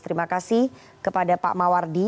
terima kasih kepada pak mawardi